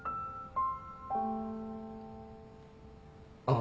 あ。